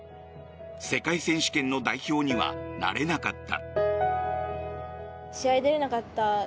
世界選手権の代表にはなれなかった。